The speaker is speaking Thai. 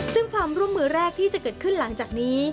ซึ่งความร่วมมือแรกที่จะเกิดขึ้นหลังจากนี้